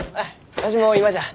わしも今じゃ。